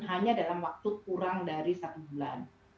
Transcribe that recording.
hanya dalam waktu kurang dari satu bulan